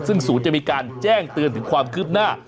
ซึ่งศูนย์จะมีการแจ้งเตือนถึงความคืบหน้า